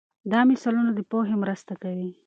دا مثالونه د پوهې مرسته کوي.